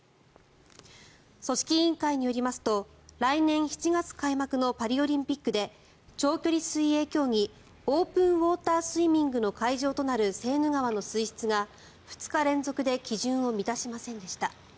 組織委員会によりますと来年７月開幕のパリオリンピックで長距離水泳競技オープンウォータースイミングの会場となるセーヌ川の水質が２日連続で基準を満たしませんでした。